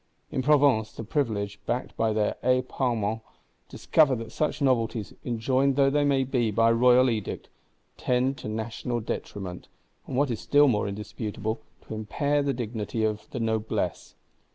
In Provence, the Privileged, backed by their Aix Parlement, discover that such novelties, enjoined though they be by Royal Edict, tend to National detriment; and what is still more indisputable, "to impair the dignity of the Noblesse."